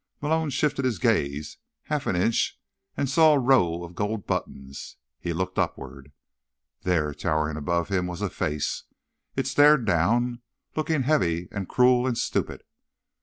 Malone shifted his gaze half an inch and saw a row of gold buttons. He looked upward. There, towering above him, was a face. It stared down, looking heavy and cruel and stupid.